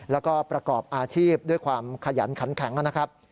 แล้วก็ประกอบอาชีพด้วยความขยันขันแข็งนะครับ